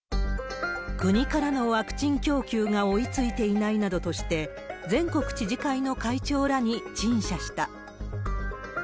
国からのワクチン供給が追いついていないなどとして、全国知事会の会長らに陳謝した。